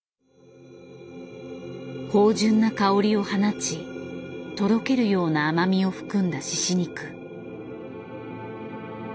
芳醇な香りを放ちとろけるような甘みを含んだ猪肉。